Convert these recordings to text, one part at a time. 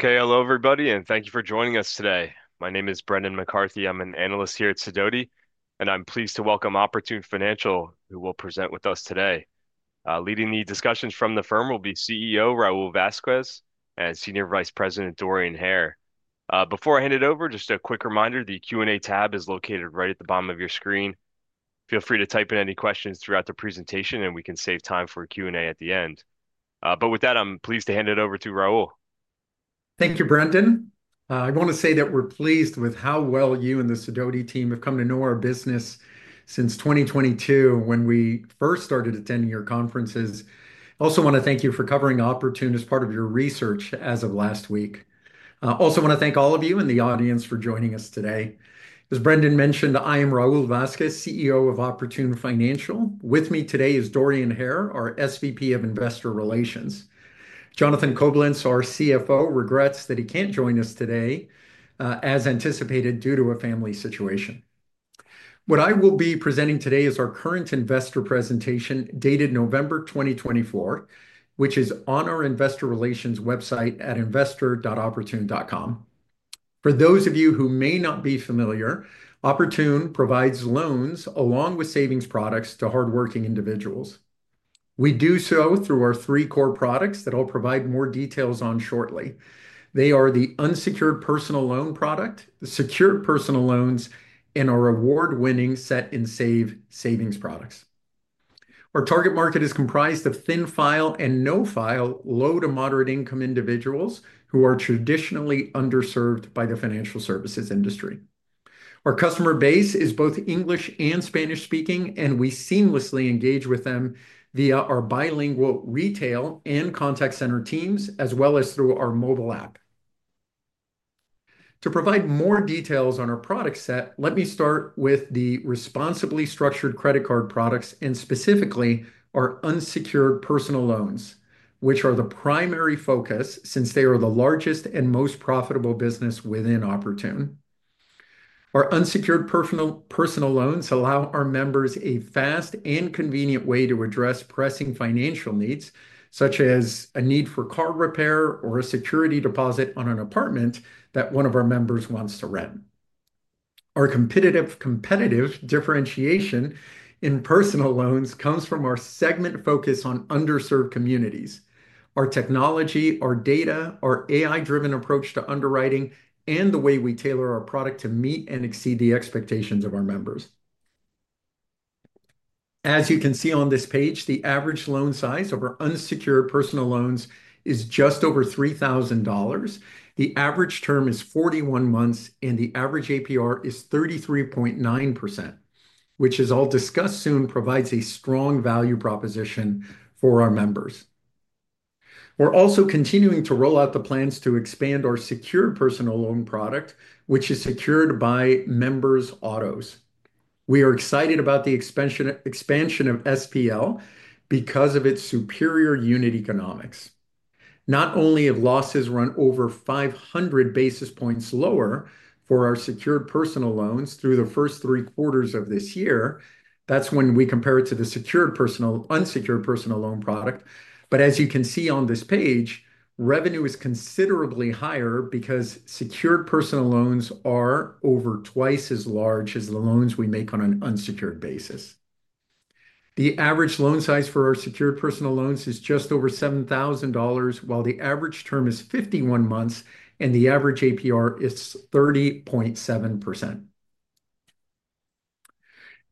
Okay, hello everybody, and thank you for joining us today. My name is Brendan McCarthy. I'm an Analyst here at Sidoti, and I'm pleased to welcome Oportun Financial, who will present with us today. Leading the discussions from the firm will be CEO Raul Vazquez and Senior Vice President Dorian Hare. Before I hand it over, just a quick reminder: the Q&A tab is located right at the bottom of your screen. Feel free to type in any questions throughout the presentation, and we can save time for Q&A at the end. But with that, I'm pleased to hand it over to Raul. Thank you, Brendan. I want to say that we're pleased with how well you and the Sidoti team have come to know our business since 2022, when we first started attending your conferences. I also want to thank you for covering Oportun as part of your research as of last week. I also want to thank all of you in the audience for joining us today. As Brendan mentioned, I am Raul Vazquez, CEO of Oportun Financial. With me today is Dorian Hare, our SVP of Investor Relations. Jonathan Coblentz, our CFO, regrets that he can't join us today, as anticipated, due to a family situation. What I will be presenting today is our current investor presentation dated November 2024, which is on our investor relations website at investor.oportun.com. For those of you who may not be familiar, Oportun provides loans along with savings products to hardworking individuals. We do so through our three core products that I'll provide more details on shortly. They are the unsecured personal loan product, the secured personal loans, and our award-winning Set & Save savings products. Our target market is comprised of thin file and no-file low to moderate-income individuals who are traditionally underserved by the financial services industry. Our customer base is both English and Spanish-speaking, and we seamlessly engage with them via our bilingual retail and contact center teams, as well as through our mobile app. To provide more details on our product set, let me start with the responsibly structured credit card products and specifically our unsecured personal loans, which are the primary focus since they are the largest and most profitable business within Oportun. Our unsecured personal loans allow our members a fast and convenient way to address pressing financial needs, such as a need for car repair or a security deposit on an apartment that one of our members wants to rent. Our competitive differentiation in personal loans comes from our segment focus on underserved communities, our technology, our data, our AI-driven approach to underwriting, and the way we tailor our product to meet and exceed the expectations of our members. As you can see on this page, the average loan size over unsecured personal loans is just over $3,000. The average term is 41 months, and the average APR is 33.9%, which, as I'll discuss soon, provides a strong value proposition for our members. We're also continuing to roll out the plans to expand our secured personal loan product, which is secured by members' autos. We are excited about the expansion of SPL because of its superior unit economics. Not only have losses run over 500 basis points lower for our secured personal loans through the first three quarters of this year, that's when we compare it to the unsecured personal loan product, but as you can see on this page, revenue is considerably higher because secured personal loans are over twice as large as the loans we make on an unsecured basis. The average loan size for our secured personal loans is just over $7,000, while the average term is 51 months and the average APR is 30.7%.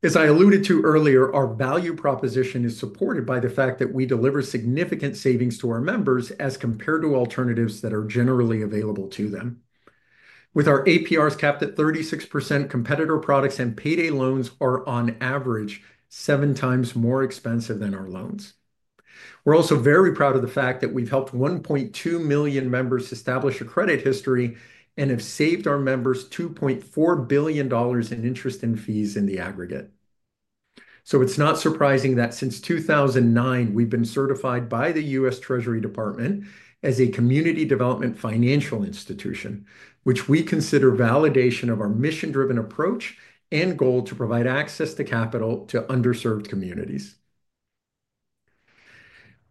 As I alluded to earlier, our value proposition is supported by the fact that we deliver significant savings to our members as compared to alternatives that are generally available to them. With our APRs capped at 36%, competitor products and payday loans are on average seven times more expensive than our loans. We're also very proud of the fact that we've helped 1.2 million members establish a credit history and have saved our members $2.4 billion in interest and fees in the aggregate. So it's not surprising that since 2009, we've been certified by the U.S. Treasury Department as a Community Development Financial Institution, which we consider validation of our mission-driven approach and goal to provide access to capital to underserved communities.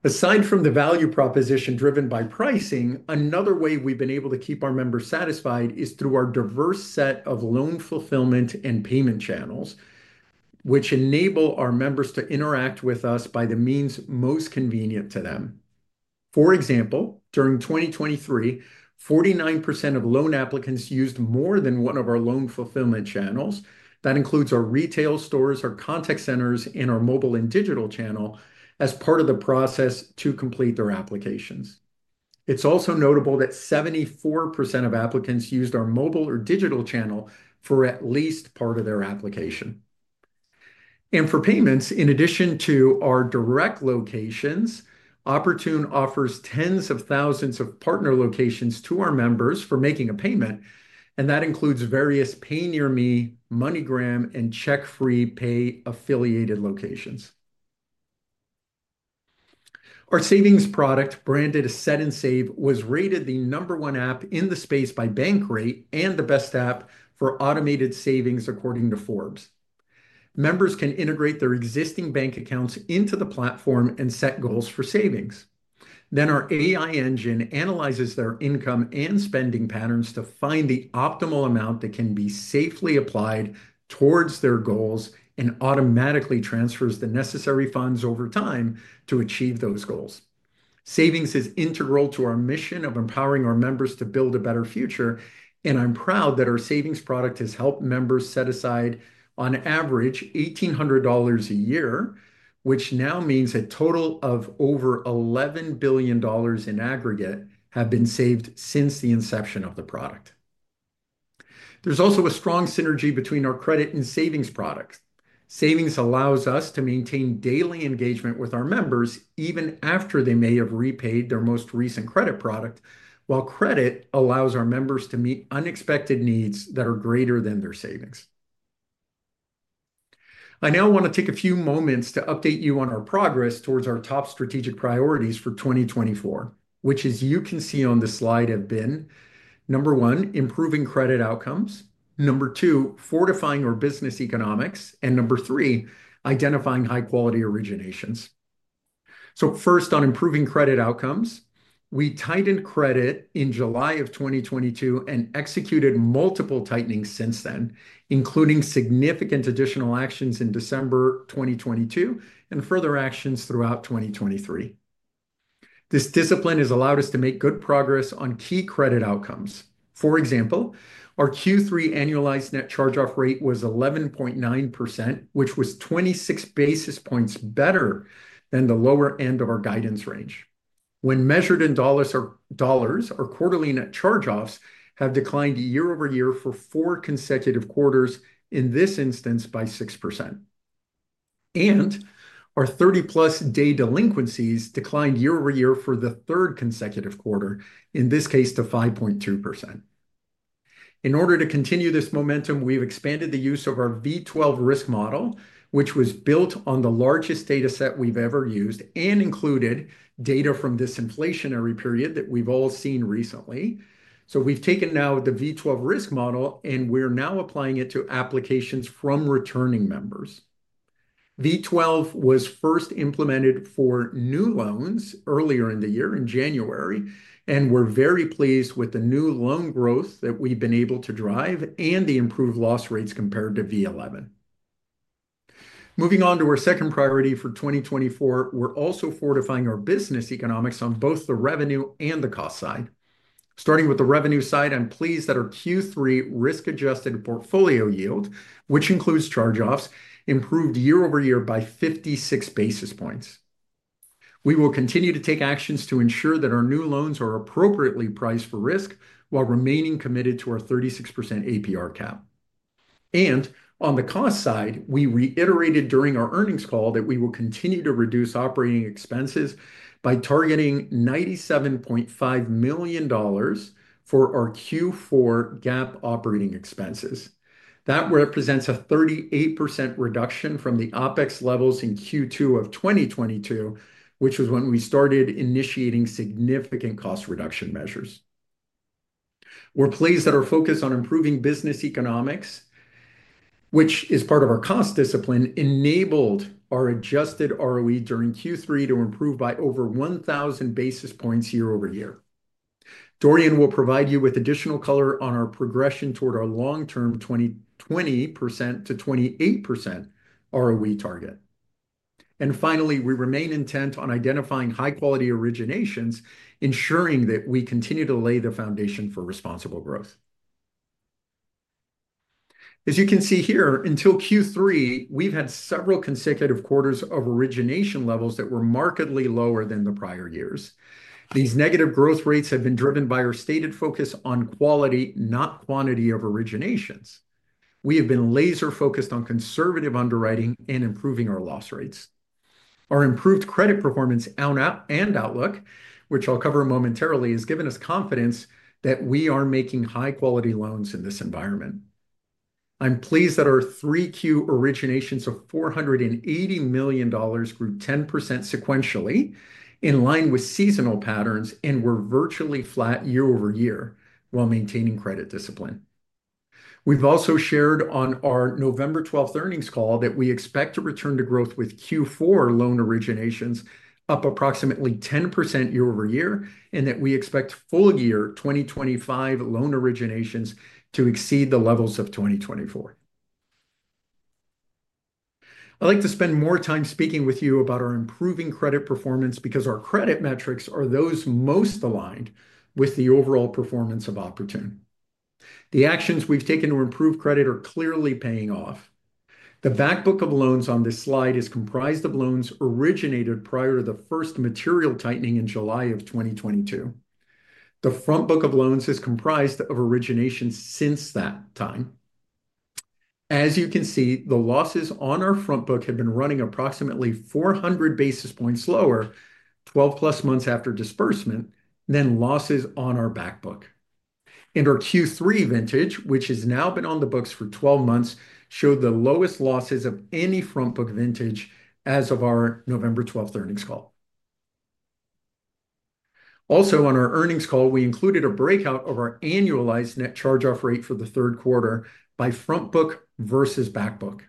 Aside from the value proposition driven by pricing, another way we've been able to keep our members satisfied is through our diverse set of loan fulfillment and payment channels, which enable our members to interact with us by the means most convenient to them. For example, during 2023, 49% of loan applicants used more than one of our loan fulfillment channels. That includes our retail stores, our contact centers, and our mobile and digital channel as part of the process to complete their applications. It's also notable that 74% of applicants used our mobile or digital channel for at least part of their application, and for payments, in addition to our direct locations, Oportun offers tens of thousands of partner locations to our members for making a payment, and that includes various PayNearMe, MoneyGram, and CheckFreePay affiliated locations. Our savings product branded Set & Save was rated the number one app in the space by Bankrate and the best app for automated savings according to Forbes. Members can integrate their existing bank accounts into the platform and set goals for savings. Then our AI engine analyzes their income and spending patterns to find the optimal amount that can be safely applied towards their goals and automatically transfers the necessary funds over time to achieve those goals. Savings is integral to our mission of empowering our members to build a better future, and I'm proud that our savings product has helped members set aside, on average, $1,800 a year, which now means a total of over $11 billion in aggregate have been saved since the inception of the product. There's also a strong synergy between our credit and savings products. Savings allows us to maintain daily engagement with our members, even after they may have repaid their most recent credit product, while credit allows our members to meet unexpected needs that are greater than their savings. I now want to take a few moments to update you on our progress towards our top strategic priorities for 2024, which, as you can see on the slide, have been: number one, improving credit outcomes, number two, fortifying our business economics, and number three, identifying high-quality originations, so first, on improving credit outcomes, we tightened credit in July of 2022 and executed multiple tightenings since then, including significant additional actions in December 2022 and further actions throughout 2023. This discipline has allowed us to make good progress on key credit outcomes. For example, our Q3 annualized net charge-off rate was 11.9%, which was 26 basis points better than the lower end of our guidance range. When measured in dollars, our quarterly net charge-offs have declined year over year for four consecutive quarters, in this instance by 6%. And our 30-plus day delinquencies declined year over year for the third consecutive quarter, in this case to 5.2%. In order to continue this momentum, we've expanded the use of our V12 risk model, which was built on the largest data set we've ever used and included data from this inflationary period that we've all seen recently. So we've taken now the V12 risk model, and we're now applying it to applications from returning members. V12 was first implemented for new loans earlier in the year in January, and we're very pleased with the new loan growth that we've been able to drive and the improved loss rates compared to V11. Moving on to our second priority for 2024, we're also fortifying our business economics on both the revenue and the cost side. Starting with the revenue side, I'm pleased that our Q3 risk-adjusted portfolio yield, which includes charge-offs, improved year over year by 56 basis points. We will continue to take actions to ensure that our new loans are appropriately priced for risk while remaining committed to our 36% APR cap. On the cost side, we reiterated during our earnings call that we will continue to reduce operating expenses by targeting $97.5 million for our Q4 GAAP operating expenses. That represents a 38% reduction from the OpEx levels in Q2 of 2022, which was when we started initiating significant cost reduction measures. We're pleased that our focus on improving business economics, which is part of our cost discipline, enabled our Adjusted ROE during Q3 to improve by over 1,000 basis points year-over-year. Dorian will provide you with additional color on our progression toward our long-term 20%-28% ROE target, and finally, we remain intent on identifying high-quality originations, ensuring that we continue to lay the foundation for responsible growth. As you can see here, until Q3, we've had several consecutive quarters of origination levels that were markedly lower than the prior years. These negative growth rates have been driven by our stated focus on quality, not quantity of originations. We have been laser-focused on conservative underwriting and improving our loss rates. Our improved credit performance and outlook, which I'll cover momentarily, has given us confidence that we are making high-quality loans in this environment. I'm pleased that our 3Q originations of $480 million grew 10% sequentially, in line with seasonal patterns, and were virtually flat year over year while maintaining credit discipline. We've also shared on our November 12th earnings call that we expect to return to growth with Q4 loan originations up approximately 10% year-over-year, and that we expect full year 2025 loan originations to exceed the levels of 2024. I'd like to spend more time speaking with you about our improving credit performance because our credit metrics are those most aligned with the overall performance of Oportun. The actions we've taken to improve credit are clearly paying off. The Back Book of loans on this slide is comprised of loans originated prior to the first material tightening in July of 2022. The Front Book of loans is comprised of originations since that time. As you can see, the losses on our Front Book have been running approximately 400 basis points lower 12+ months after disbursement than losses on our Back Book. Our Q3 vintage, which has now been on the books for 12 months, showed the lowest losses of any Front Book vintage as of our November 12th earnings call. Also, on our earnings call, we included a breakout of our annualized net charge-off rate for the third quarter by Front Book versus Back Book.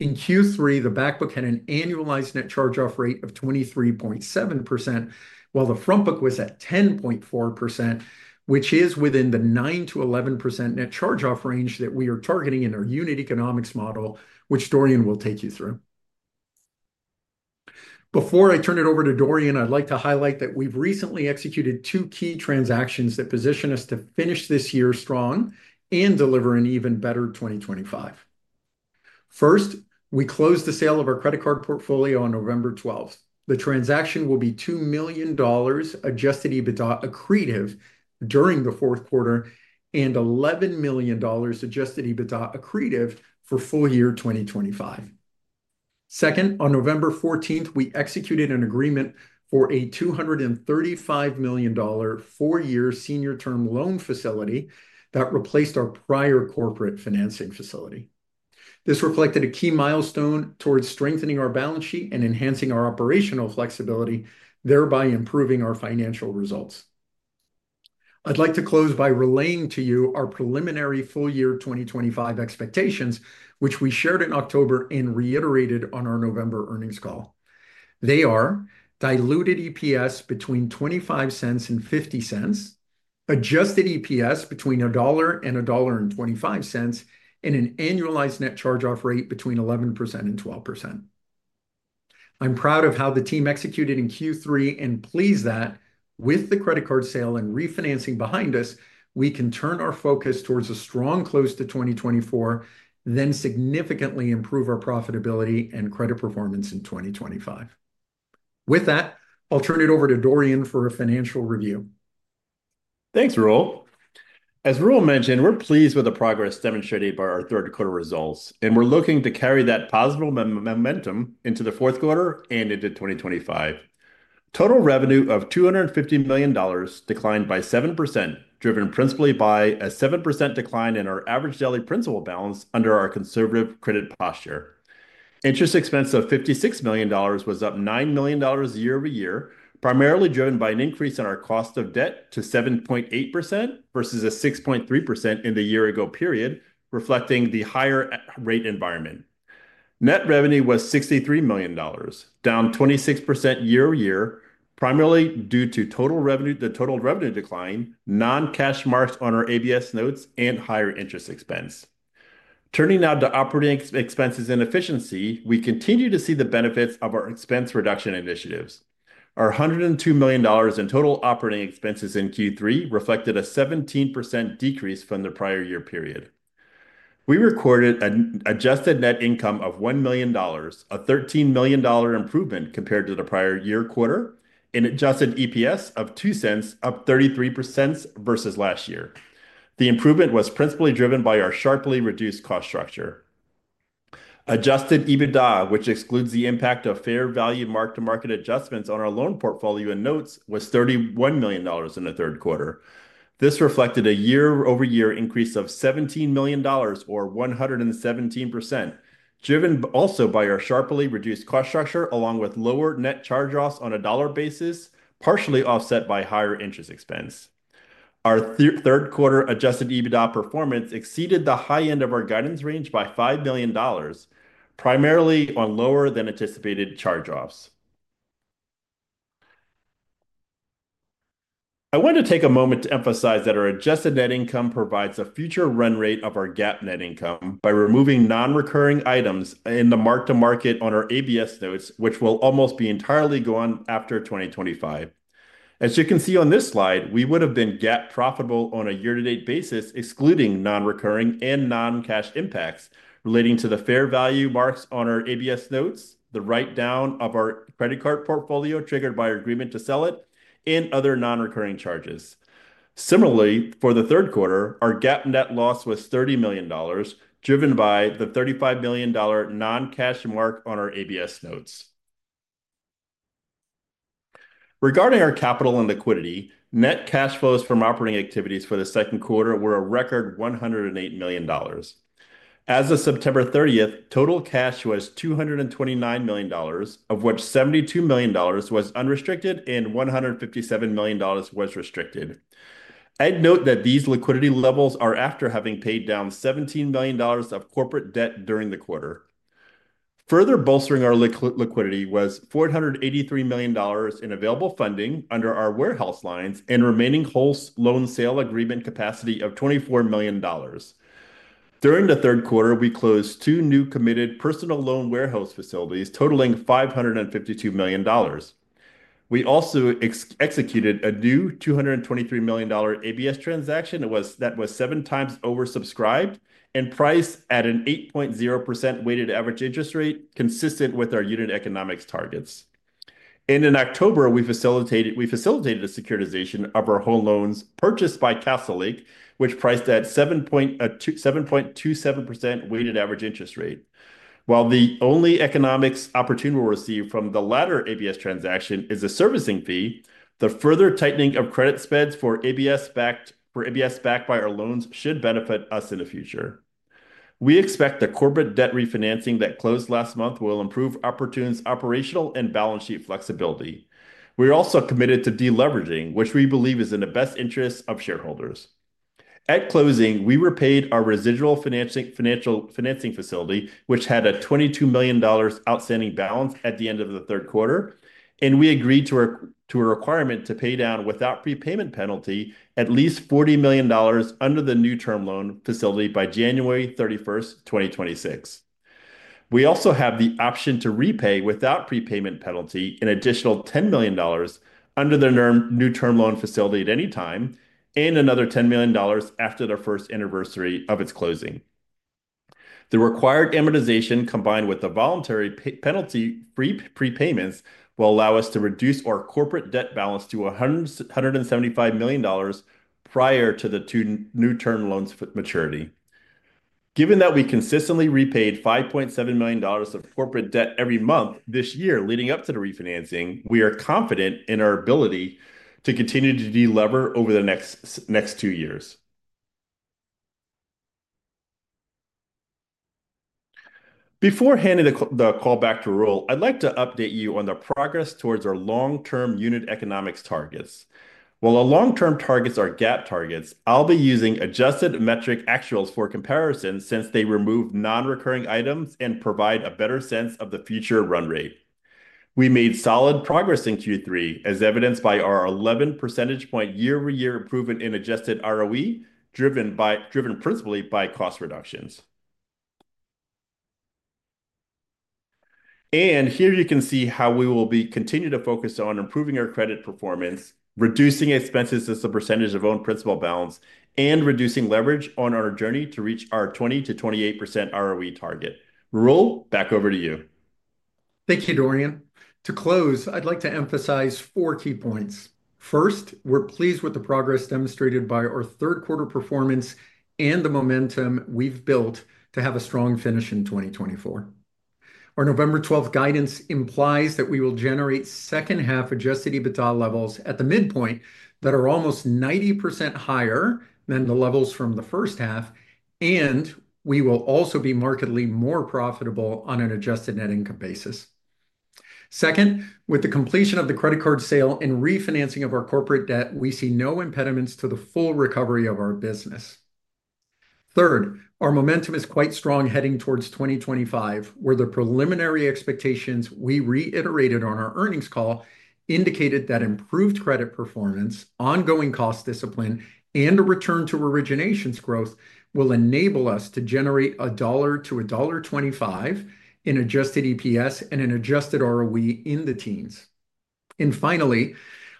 In Q3, the Back Book had an annualized net charge-off rate of 23.7%, while the Front Book was at 10.4%, which is within the 9%-11% net charge-off range that we are targeting in our unit economics model, which Dorian will take you through. Before I turn it over to Dorian, I'd like to highlight that we've recently executed two key transactions that position us to finish this year strong and deliver an even better 2025. First, we closed the sale of our credit card portfolio on November 12th. The transaction will be $2 million Adjusted EBITDA accretive during the fourth quarter and $11 million Adjusted EBITDA accretive for full year 2025. Second, on November 14th, we executed an agreement for a $235 million four-year senior term loan facility that replaced our prior corporate financing facility. This reflected a key milestone towards strengthening our balance sheet and enhancing our operational flexibility, thereby improving our financial results. I'd like to close by relaying to you our preliminary full year 2025 expectations, which we shared in October and reiterated on our November earnings call. They are diluted EPS between $0.25 and $0.50, Adjusted EPS between $1 and $1.25, and an annualized net charge-off rate between 11% and 12%. I'm proud of how the team executed in Q3 and pleased that with the credit card sale and refinancing behind us, we can turn our focus towards a strong close to 2024, then significantly improve our profitability and credit performance in 2025. With that, I'll turn it over to Dorian for a financial review. Thanks, Raul. As Raul mentioned, we're pleased with the progress demonstrated by our third quarter results, and we're looking to carry that positive momentum into the fourth quarter and into 2025. Total revenue of $250 million declined by 7%, driven principally by a 7% decline in our average daily principal balance under our conservative credit posture. Interest expense of $56 million was up $9 million year-over-year, primarily driven by an increase in our cost of debt to 7.8% versus a 6.3% in the year-ago period, reflecting the higher rate environment. Net revenue was $63 million, down 26% year-over-year, primarily due to total revenue, the total revenue decline, non-cash mark-to-market on our ABS notes, and higher interest expense. Turning now to operating expenses and efficiency, we continue to see the benefits of our expense reduction initiatives. Our $102 million in total operating expenses in Q3 reflected a 17% decrease from the prior year period. We recorded an Adjusted Net Income of $1 million, a $13 million improvement compared to the prior year quarter, and Adjusted EPS of $0.02, up 33% versus last year. The improvement was principally driven by our sharply reduced cost structure. Adjusted EBITDA, which excludes the impact of fair value mark-to-market adjustments on our loan portfolio and notes, was $31 million in the third quarter. This reflected a year-over-year increase of $17 million, or 117%, driven also by our sharply reduced cost structure along with lower net charge-offs on a dollar basis, partially offset by higher interest expense. Our third quarter Adjusted EBITDA performance exceeded the high end of our guidance range by $5 million, primarily on lower than anticipated charge-offs. I want to take a moment to emphasize that our Adjusted Net Income provides a future run rate of our GAAP net income by removing non-recurring items in the mark-to-market on our ABS notes, which will almost be entirely gone after 2025. As you can see on this slide, we would have been GAAP profitable on a year-to-date basis, excluding non-recurring and non-cash impacts relating to the fair value marks on our ABS notes, the write-down of our credit card portfolio triggered by our agreement to sell it, and other non-recurring charges. Similarly, for the third quarter, our GAAP net loss was $30 million, driven by the $35 million non-cash mark on our ABS notes. Regarding our capital and liquidity, net cash flows from operating activities for the second quarter were a record $108 million. As of September 30th, total cash was $229 million, of which $72 million was unrestricted and $157 million was restricted. I'd note that these liquidity levels are after having paid down $17 million of corporate debt during the quarter. Further bolstering our liquidity was $483 million in available funding under our warehouse lines and remaining whole loan sale agreement capacity of $24 million. During the third quarter, we closed two new committed personal loan warehouse facilities totaling $552 million. We also executed a new $223 million ABS transaction that was seven times oversubscribed and priced at an 8.0% weighted average interest rate, consistent with our unit economics targets, and in October, we facilitated a securitization of our whole loans purchased by Castlelake, which priced at 7.27% weighted average interest rate. While the only economic opportunity we'll receive from the latter ABS transaction is a servicing fee, the further tightening of credit spreads for ABS backed by our loans should benefit us in the future. We expect the corporate debt refinancing that closed last month will improve Oportun's operational and balance sheet flexibility. We're also committed to deleveraging, which we believe is in the best interest of shareholders. At closing, we repaid our residual financing facility, which had a $22 million outstanding balance at the end of the third quarter, and we agreed to our requirement to pay down without prepayment penalty at least $40 million under the new term loan facility by January 31st, 2026. We also have the option to repay without prepayment penalty an additional $10 million under the new term loan facility at any time, and another $10 million after the first anniversary of its closing. The required amortization, combined with the voluntary penalty-free prepayments, will allow us to reduce our corporate debt balance to $175 million prior to the two new term loans' maturity. Given that we consistently repaid $5.7 million of corporate debt every month this year leading up to the refinancing, we are confident in our ability to continue to delever over the next two years. Before handing the call back to Raul, I'd like to update you on the progress towards our long-term unit economics targets. While the long-term targets are GAAP targets, I'll be using adjusted metric actuals for comparison since they remove non-recurring items and provide a better sense of the future run rate. We made solid progress in Q3, as evidenced by our 11 percentage point year-over-year improvement in Adjusted ROE, driven principally by cost reductions. And here you can see how we will continue to focus on improving our credit performance, reducing expenses as a percentage of own principal balance, and reducing leverage on our journey to reach our 20% to 28% ROE target. Raul, back over to you. Thank you, Dorian. To close, I'd like to emphasize four key points. First, we're pleased with the progress demonstrated by our third quarter performance and the momentum we've built to have a strong finish in 2024. Our November 12th guidance implies that we will generate second-half Adjusted EBITDA levels at the midpoint that are almost 90% higher than the levels from the first half, and we will also be markedly more profitable on an Adjusted Net Income basis. Second, with the completion of the credit card sale and refinancing of our corporate debt, we see no impediments to the full recovery of our business. Third, our momentum is quite strong heading towards 2025, where the preliminary expectations we reiterated on our earnings call indicated that improved credit performance, ongoing cost discipline, and a return to originations growth will enable us to generate $1-$1.25 in Adjusted EPS and an Adjusted ROE in the teens. And finally,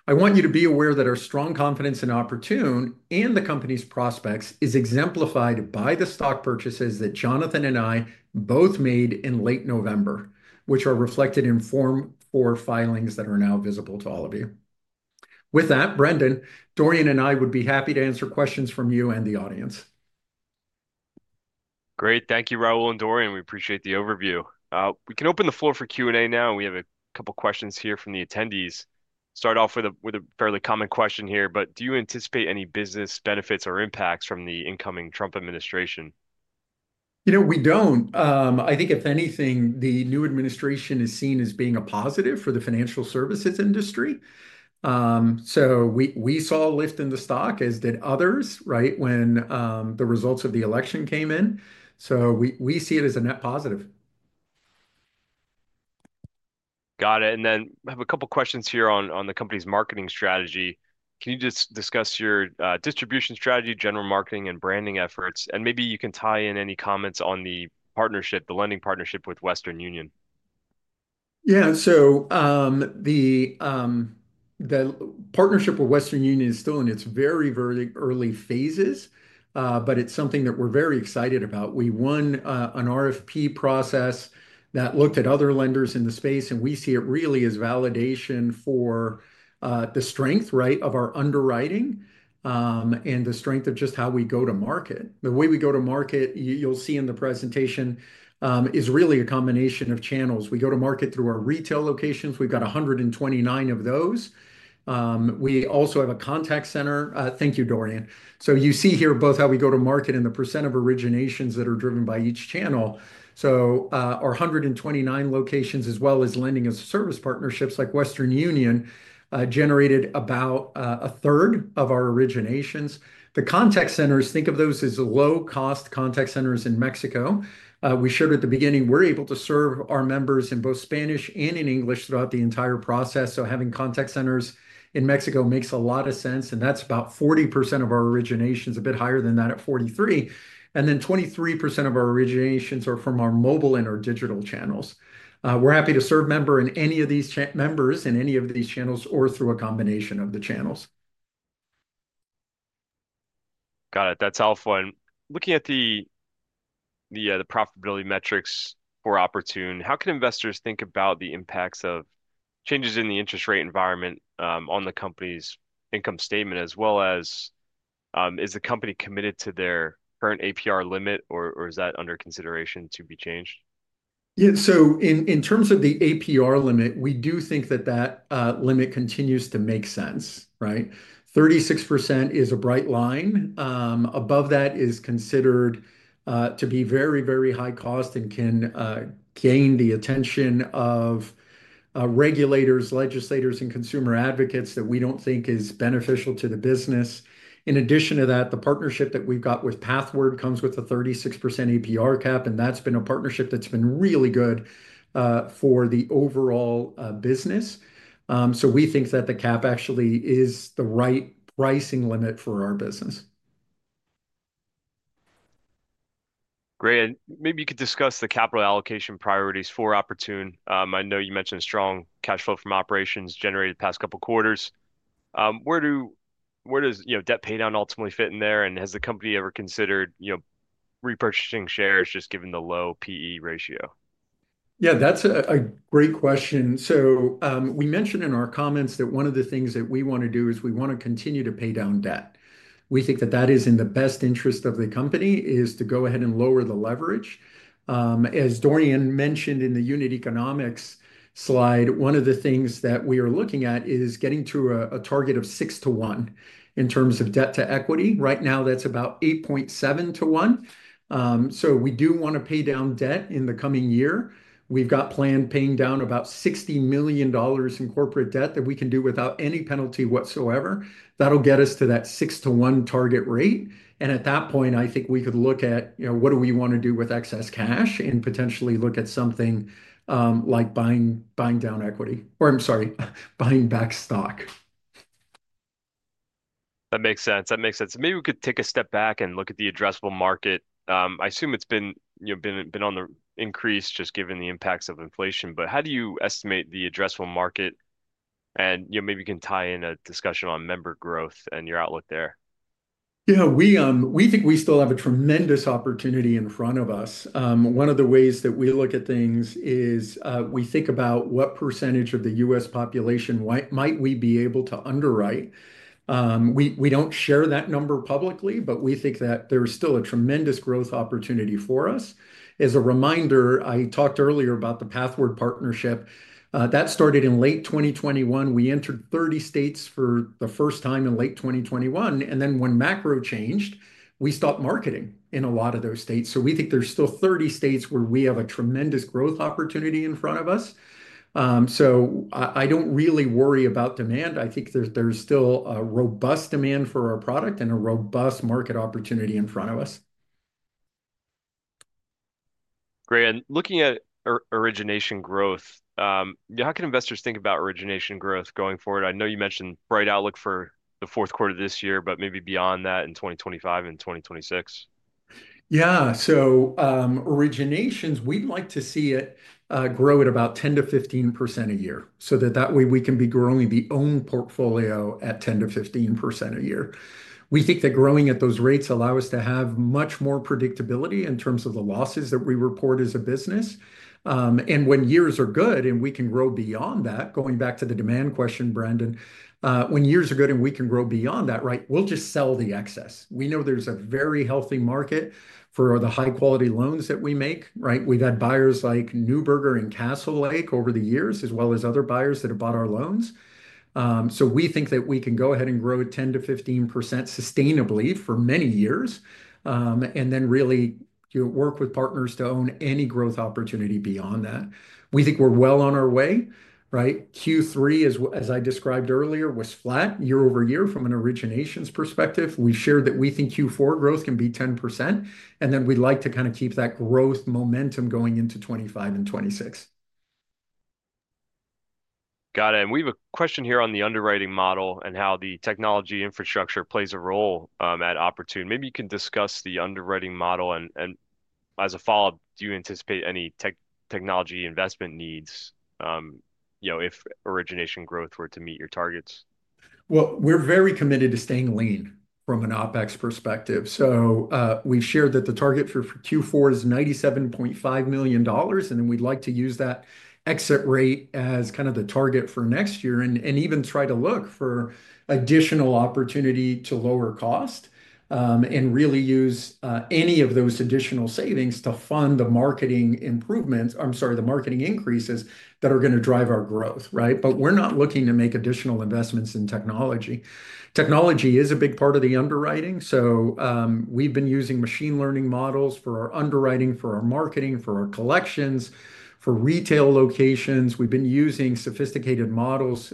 I want you to be aware that our strong confidence in Oportun and the company's prospects is exemplified by the stock purchases that Jonathan and I both made in late November, which are reflected in Form 4 filings that are now visible to all of you. With that, Brendan, Dorian and I would be happy to answer questions from you and the audience. Great. Thank you, Raul and Dorian. We appreciate the overview. We can open the floor for Q&A now. We have a couple of questions here from the attendees. Start off with a fairly common question here, but do you anticipate any business benefits or impacts from the incoming Trump administration? You know, we don't. I think, if anything, the new administration is seen as being a positive for the financial services industry. So we saw a lift in the stock, as did others, right, when the results of the election came in. So we see it as a net positive. Got it. And then I have a couple of questions here on the company's marketing strategy. Can you just discuss your distribution strategy, general marketing, and branding efforts? And maybe you can tie in any comments on the partnership, the lending partnership with Western Union. Yeah. So the partnership with Western Union is still in its very, very early phases, but it's something that we're very excited about. We won an RFP process that looked at other lenders in the space, and we see it really as validation for the strength, right, of our underwriting and the strength of just how we go to market. The way we go to market, you'll see in the presentation, is really a combination of channels. We go to market through our retail locations. We've got 129 of those. We also have a contact center. Thank you, Dorian. So you see here both how we go to market and the percent of originations that are driven by each channel. So our 129 locations, as well as lending as a service partnerships like Western Union, generated about a third of our originations. The contact centers, think of those as low-cost contact centers in Mexico. We showed at the beginning we're able to serve our members in both Spanish and in English throughout the entire process. So having contact centers in Mexico makes a lot of sense, and that's about 40% of our originations, a bit higher than that at 43%. And then 23% of our originations are from our mobile and our digital channels. We're happy to serve members in any of these channels or through a combination of the channels. Got it. That's helpful. And looking at the profitability metrics for Oportun, how can investors think about the impacts of changes in the interest rate environment on the company's income statement, as well as is the company committed to their current APR limit, or is that under consideration to be changed? Yeah. So in terms of the APR limit, we do think that that limit continues to make sense, right? 36% is a bright line. Above that is considered to be very, very high cost and can gain the attention of regulators, legislators, and consumer advocates that we don't think is beneficial to the business. In addition to that, the partnership that we've got with Pathward comes with a 36% APR cap, and that's been a partnership that's been really good for the overall business. So we think that the cap actually is the right pricing limit for our business. Great. And maybe you could discuss the capital allocation priorities for Oportun. I know you mentioned a strong cash flow from operations generated in the past couple of quarters. Where does debt pay down ultimately fit in there, and has the company ever considered repurchasing shares just given the low P/E ratio? Yeah, that's a great question. So we mentioned in our comments that one of the things that we want to do is we want to continue to pay down debt. We think that that is in the best interest of the company, is to go ahead and lower the leverage. As Dorian mentioned in the unit economics slide, one of the things that we are looking at is getting to a target of six to one in terms of debt to equity. Right now, that's about 8.7 to one. So we do want to pay down debt in the coming year. We've got planned paying down about $60 million in corporate debt that we can do without any penalty whatsoever. That'll get us to that six to one target rate. And at that point, I think we could look at what do we want to do with excess cash and potentially look at something like buying down equity, or I'm sorry, buying back stock. That makes sense. That makes sense. Maybe we could take a step back and look at the addressable market. I assume it's been on the increase just given the impacts of inflation, but how do you estimate the addressable market, and maybe you can tie in a discussion on member growth and your outlook there. Yeah, we think we still have a tremendous opportunity in front of us. One of the ways that we look at things is we think about what percentage of the U.S. population might we be able to underwrite. We don't share that number publicly, but we think that there's still a tremendous growth opportunity for us. As a reminder, I talked earlier about the Pathward partnership. That started in late 2021. We entered 30 states for the first time in late 2021, and then when macro changed, we stopped marketing in a lot of those states. We think there's still 30 states where we have a tremendous growth opportunity in front of us. I don't really worry about demand. I think there's still a robust demand for our product and a robust market opportunity in front of us. Great. And looking at origination growth, how can investors think about origination growth going forward? I know you mentioned bright outlook for the fourth quarter of this year, but maybe beyond that in 2025 and 2026. Yeah. So originations, we'd like to see it grow at about 10%-15% a year so that that way we can be growing our own portfolio at 10%-15% a year. We think that growing at those rates allows us to have much more predictability in terms of the losses that we report as a business. And going back to the demand question, Brendan, when years are good and we can grow beyond that, right, we'll just sell the excess. We know there's a very healthy market for the high-quality loans that we make, right? We've had buyers like Neuberger and Castlelake over the years, as well as other buyers that have bought our loans. So we think that we can go ahead and grow at 10%-15% sustainably for many years, and then really work with partners to own any growth opportunity beyond that. We think we're well on our way, right? Q3, as I described earlier, was flat year over year from an originations perspective. We shared that we think Q4 growth can be 10%, and then we'd like to kind of keep that growth momentum going into 2025 and 2026. Got it. And we have a question here on the underwriting model and how the technology infrastructure plays a role at Oportun. Maybe you can discuss the underwriting model. And as a follow-up, do you anticipate any technology investment needs if origination growth were to meet your targets? Well, we're very committed to staying lean from an OpEx perspective. So we've shared that the target for Q4 is $97.5 million, and then we'd like to use that exit rate as kind of the target for next year and even try to look for additional opportunity to lower cost and really use any of those additional savings to fund the marketing improvements, I'm sorry, the marketing increases that are going to drive our growth, right? But we're not looking to make additional investments in technology. Technology is a big part of the underwriting. So we've been using machine learning models for our underwriting, for our marketing, for our collections, for retail locations. We've been using sophisticated models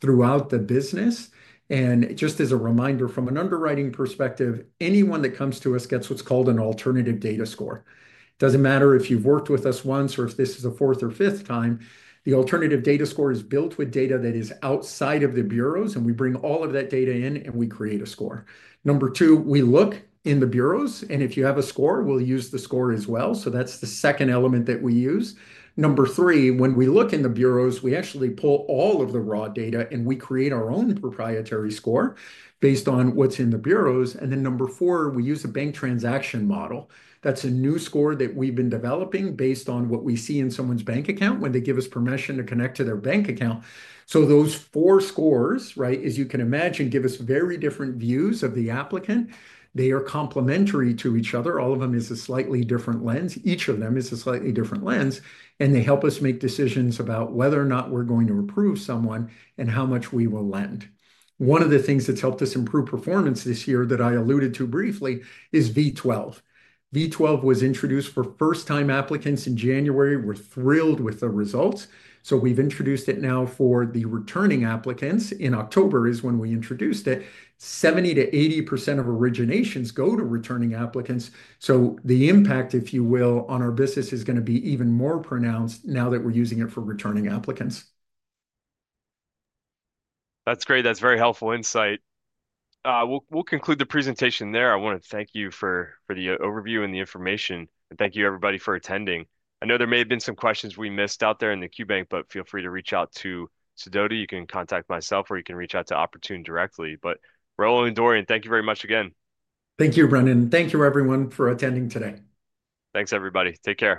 throughout the business. And just as a reminder from an underwriting perspective, anyone that comes to us gets what's called an Alternative Data Score. It doesn't matter if you've worked with us once or if this is a fourth or fifth time. The Alternative Data Score is built with data that is outside of the bureaus, and we bring all of that data in and we create a score. Number two, we look in the bureaus, and if you have a score, we'll use the score as well. So that's the second element that we use. Number three, when we look in the bureaus, we actually pull all of the raw data and we create our own proprietary score based on what's in the bureaus. And then number four, we use a bank transaction model. That's a new score that we've been developing based on what we see in someone's bank account when they give us permission to connect to their bank account. So those four scores, right, as you can imagine, give us very different views of the applicant. They are complementary to each other. All of them is a slightly different lens. Each of them is a slightly different lens, and they help us make decisions about whether or not we're going to approve someone and how much we will lend. One of the things that's helped us improve performance this year that I alluded to briefly is V12. V12 was introduced for first-time applicants in January. We're thrilled with the results. So we've introduced it now for the returning applicants. In October is when we introduced it. 70%-80% of originations go to returning applicants. So the impact, if you will, on our business is going to be even more pronounced now that we're using it for returning applicants. That's great. That's very helpful insight. We'll conclude the presentation there. I want to thank you for the overview and the information, and thank you, everybody, for attending. I know there may have been some questions we missed out there in the Qbank, but feel free to reach out to Sidoti. You can contact myself or you can reach out to Oportun directly. But Raul and Dorian, thank you very much again. Thank you, Brendan. Thank you, everyone, for attending today. Thanks, everybody. Take care.